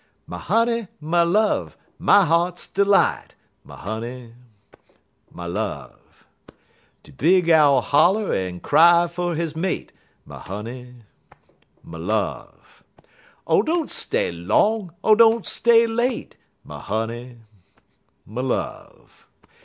My honey, my love, my heart's delight My honey, my love!_ _De big Owl holler en cry fer his mate, My honey, my love! Oh, don't stay long! Oh, don't stay late! My honey, my love!